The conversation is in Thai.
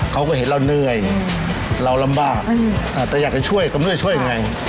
เขาก็เห็นเราเหนื่อยเราลำบากแต่อยากจะช่วยกำนวยช่วยยังไง